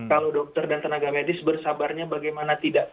kalau dokter dan tenaga medis bersabarnya bagaimana tidak